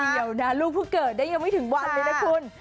เดี๋ยวนะลูกเพิ่งเกิดได้ยังไม่ถึงวันเลยนะคุณ